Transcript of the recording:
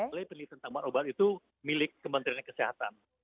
pelih penelitian tanaman obat itu milik kementerian kesehatan